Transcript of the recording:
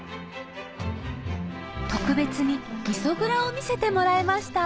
特別にみそ蔵を見せてもらえました